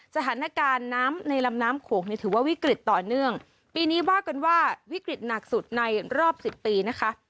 สถานการณ์น้ำในลำน้ำโขงเนี่ยถือว่าวิกฤตต่อเนื่องปีนี้ว่ากันว่าวิกฤตหนักสุดในรอบสิบปีนะคะ